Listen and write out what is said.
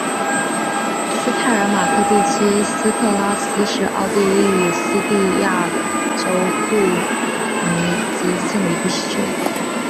施泰尔马克地区施特拉斯是奥地利施蒂利亚州莱布尼茨县的一个市镇。